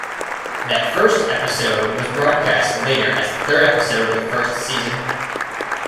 That first episode was broadcast later as the third episode of the first season.